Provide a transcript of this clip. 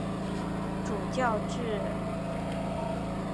主教制。